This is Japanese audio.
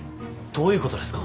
どういうことですか？